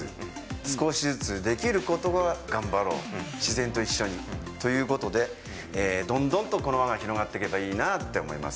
少しずつできることから頑張ろう自然と一緒にということでどんどんとこの輪が広がっていけばいいなって思います。